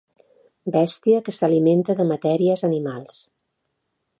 Bèstia que s'alimenta de matèries animals.